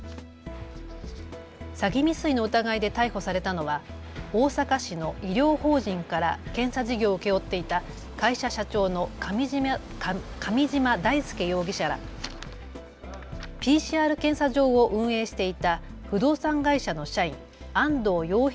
詐欺未遂の疑いで逮捕されたのは大阪市の医療法人から検査事業を請け負っていた会社社長の上嶋大輔容疑者やＰＣＲ検査場を運営していた不動産会社の社員、安藤陽平